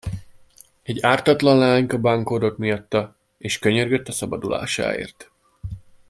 Egy ártatlan leányka bánkódott miatta, és könyörgött a szabadulásáért.